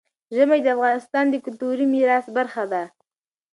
ژمی د افغانستان د کلتوري میراث برخه ده.